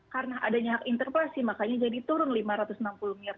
karena adanya hak interpelasi makanya jadi turun rp lima ratus enam puluh miliar